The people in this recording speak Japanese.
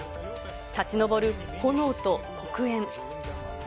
立ち上る炎と黒煙。